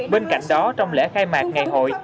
bên cạnh đó trong lễ khai mạc ngày hội